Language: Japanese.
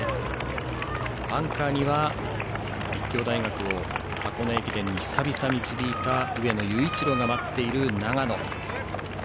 アンカーには立教大学を箱根駅伝に久々に導いた上野裕一郎が待っている長野。